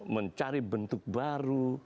mencari bentuk baru